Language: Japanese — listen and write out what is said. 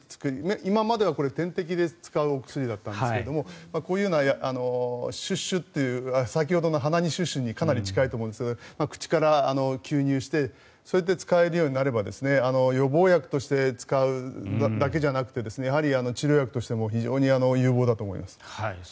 今まではこれは点滴で使う薬だったんですがこういうようなシュッシュという先ほどの鼻にシュッシュにかなり近いと思うんですが口から吸入してそれで使えるようになれば予防薬として使うだけじゃなくて治療薬としても非常に有望だと思います。